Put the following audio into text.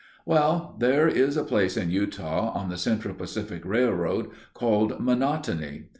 Well, there is a place in Utah on the Central Pacific Railroad called Monotony.